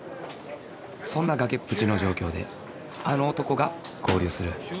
そんながけっぷちの状況であの男が合流する